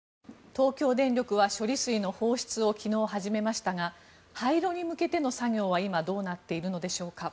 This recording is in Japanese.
東京電力は処理水の放出を昨日、始めましたが廃炉に向けての作業は今どうなっているのでしょうか。